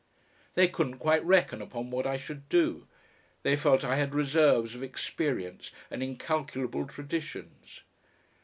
They couldn't quite reckon upon what I should do; they felt I had reserves of experience and incalculable traditions.